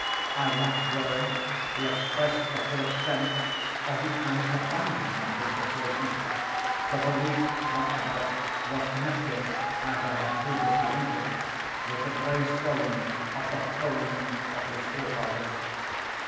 I lack words to express the full extent, or the earnest abandon of his persuasion. The belief, however, was connected (as I have previously hinted) with the gray stones of the home of his forefathers.